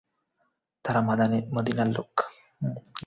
তারা মদীনার লোক।